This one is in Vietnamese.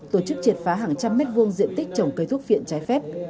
tổ chức triệt phá hàng trăm mét vuông diện tích trồng cây thuốc phiện trái phép